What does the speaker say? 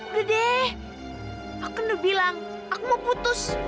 udah deh aku udah bilang aku mau putus